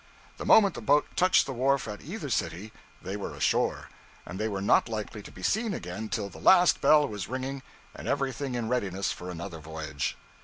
The moment the boat touched the wharf at either city, they were ashore; and they were not likely to be seen again till the last bell was ringing and everything in readiness for another voyage.